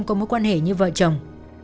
có mối quan hệ như vợ chồng